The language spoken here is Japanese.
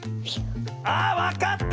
あわかった！